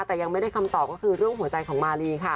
แต่ยังไม่ได้คำตอบก็คือเรื่องหัวใจของมารีค่ะ